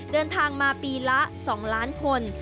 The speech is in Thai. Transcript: เดินทางมาปีละ๒ล้านคน